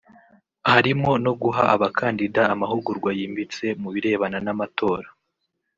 harimo no guha abakandida amahugurwa yimbitse mu birebana n’amatora